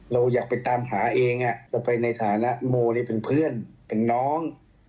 เราอยากไปตามหาเองเราไปในฐานะโมเป็นเพื่อนเป็นน้อง